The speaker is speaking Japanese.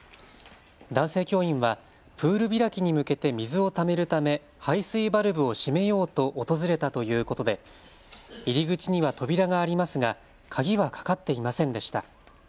男性教員はプール開きに向けて水をためるため排水バルブを閉めようと訪れたということで入り口には扉がありますが鍵はかかっていませんでした。